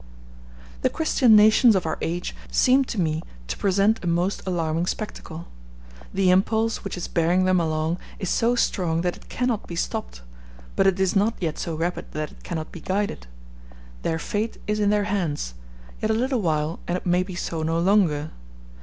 The Christian nations of our age seem to me to present a most alarming spectacle; the impulse which is bearing them along is so strong that it cannot be stopped, but it is not yet so rapid that it cannot be guided: their fate is in their hands; yet a little while and it may be so no longer.